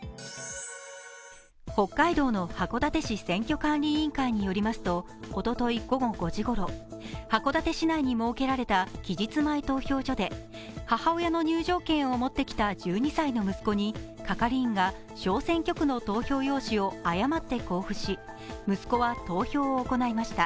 北海道の函館市選挙管理委員会によりますとおととい午後５時ごろ、函館市内に設けられた期日前投票所で母親の入場券を持ってきた１２歳の息子に係員が小選挙区の投票用紙を誤って交付し、息子は投票を行いました。